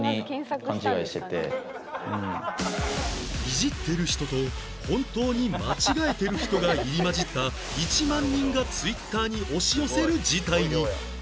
イジってる人と本当に間違えてる人が入り交じった１万人が Ｔｗｉｔｔｅｒ に押し寄せる事態に